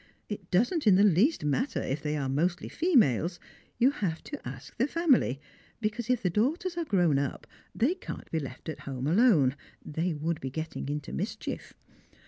It doesn't in the least matter if they are mostly females; you have to ask the family, because if the daughters are grown up they can't be left at home alone they would be getting into mischief.